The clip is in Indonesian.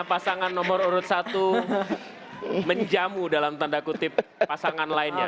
pasangan nomor urut satu menjamu dalam tanda kutip pasangan lainnya